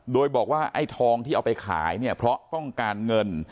โดยบอกว่าไอ้ทองที่เอาไปขายเนี่ยเพราะต้องการเงิน